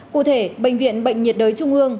cụ thể bệnh viện bệnh nhiệt đới trung ương